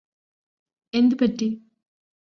എന്തുപറ്റി